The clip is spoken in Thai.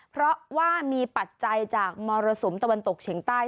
เพราะว่ามีปัจจัยจากมรสุมตะวันตกเฉียงใต้